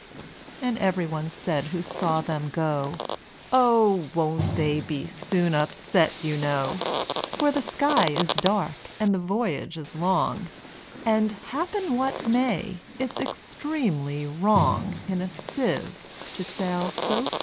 And every one said who saw them go, "Oh! won't they be soon upset, you know? For the sky is dark, and the voyage is long; And, happen what may, it's extremely wrong In a sieve to sail so fast."